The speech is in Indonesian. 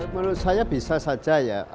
menurut saya bisa saja ya